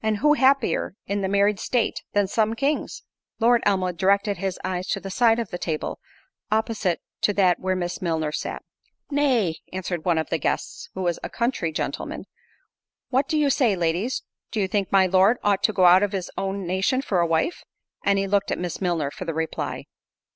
and who happier in the married state than some kings?" Lord Elmwood directed his eyes to the side of the table, opposite to that where Miss Milner sat. "Nay," (answered one of the guests, who was a country gentleman) "what do you say, ladies—do you think my Lord ought to go out of his own nation for a wife?" and he looked at Miss Milner for the reply.